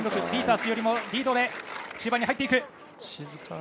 ピータースよりリードで中盤に入っていく。